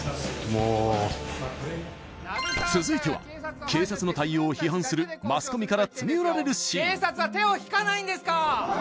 続いては警察の対応を批判するマスコミから詰め寄られるシーン警察は手を引かないんですか？